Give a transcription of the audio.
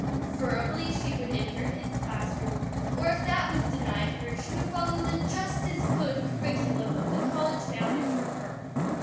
Preferably she would enter his classroom, or if that was denied her, she would follow the "just as good" curriculum of the college founded for her.